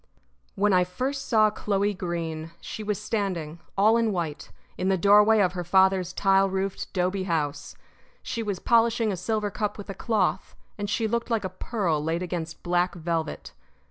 When I first saw Chloe Greene she was standing, all in white, in the doorway of her father's tile roofed 'dobe house. She was polishing a silver cup with a cloth, and she looked like a pearl laid against black velvet.